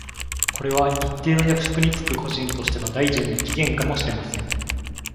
これは、一定の役職に就く個人としての大臣の起源かもしれません。